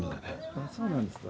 あそうなんですか。